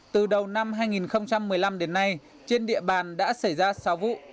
từ đầu năm hai nghìn một mươi năm đến nay trên địa bàn đã xảy ra sáu vụ